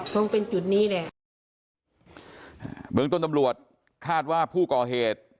ตรงเป็นจุดนี้แหละอ่าเบื้องต้นตำรวจคาดว่าผู้ก่อเหตุ